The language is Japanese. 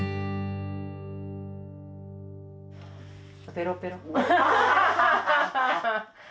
ペロペロ。